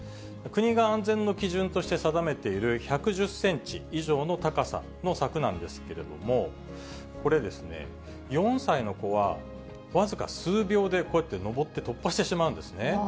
国が安全の基準として定めている１１０センチ以上の高さの柵なんですけれども、これ、４歳の子は、僅か数秒でこうやって登って突破してしまうんですね。